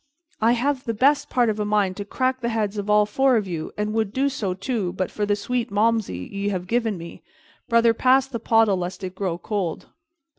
I have the best part of a mind to crack the heads of all four of you, and would do so, too, but for the sweet Malmsey ye have given me. Brother, pass the pottle lest it grow cold."